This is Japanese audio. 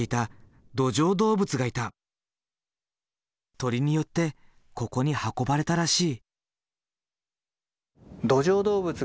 鳥によってここに運ばれたらしい。